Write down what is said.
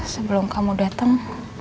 sebelum kamu datang